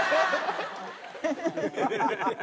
「ハハハハ！」